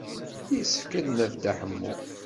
Yessefk ad d-naf Dda Ḥemmu.